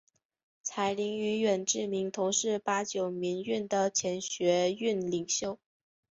柴玲与远志明同是八九民运的前学运领袖。